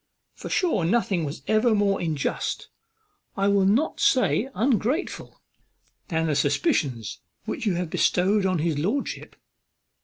for sure nothing was ever more unjust, I will not say ungrateful, than the suspicions which you have bestowed on his lordship.